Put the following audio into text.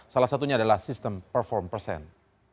salah satunya adalah sistem perform person